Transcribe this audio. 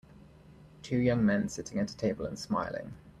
Two young men sitting at a table and smiling.